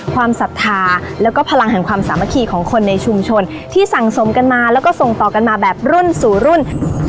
ศรัทธาแล้วก็พลังแห่งความสามัคคีของคนในชุมชนที่สั่งสมกันมาแล้วก็ส่งต่อกันมาแบบรุ่นสู่รุ่น